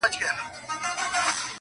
ستا په غوښو دي بلا توره مړه سي,